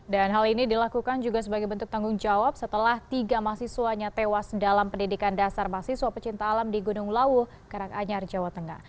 dan hal ini dilakukan juga sebagai bentuk tanggung jawab setelah tiga mahasiswanya tewas dalam pendidikan dasar mahasiswa pecinta alam di gunung lawu karanganyar jawa tengah